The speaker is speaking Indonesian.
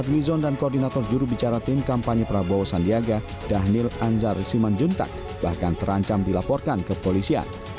fadlizon dan koordinator jurubicara tim kampanye prabowo sandiaga dhanil anzar simanjuntak bahkan terancam dilaporkan ke polisian